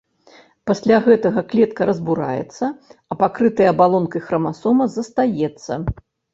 Пасля гэтага клетка разбураецца, а пакрытая абалонкай храмасома застаецца.